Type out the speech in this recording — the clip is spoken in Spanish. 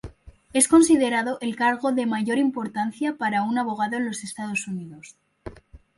Es considerado el cargo de mayor importancia para un abogado en los Estados Unidos.